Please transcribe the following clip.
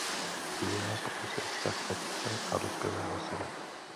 Kniha popisuje vztah otce a dospělého syna.